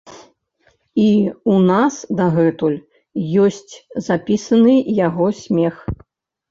І ў нас дагэтуль ёсць запісаны яго смех.